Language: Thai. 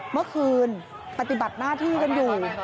เมื่อคืนปฏิบัติหน้าที่กันอยู่